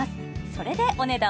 それでお値段